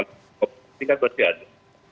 ini kan pasti ada